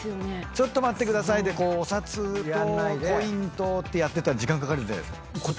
「ちょっと待ってください」でお札とコインとってやってたら時間かかるじゃないですか。